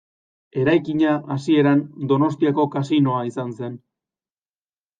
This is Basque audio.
Eraikina, hasieran, Donostiako Kasinoa izan zen.